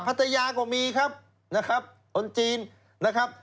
พัทยาก็มีครับนะครับคนจีนนะครับ